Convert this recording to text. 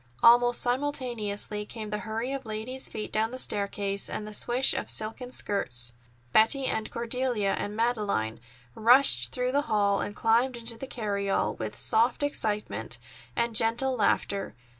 Almost simultaneously came the hurry of ladies' feet down the staircase, and the swish of silken skirts. Betty and Cordelia and Madeleine rushed through the hall and climbed into the carryall, with soft excitement and gentle laughter.